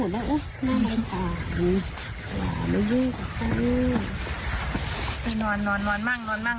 ไปนอนนอนนอนมางนอนมาง